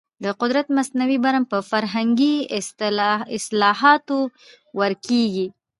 د قدرت مصنوعي برم په فرهنګي اصلاحاتو ورکېږي.